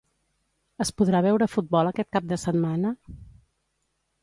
Es podrà veure futbol aquest cap de setmana?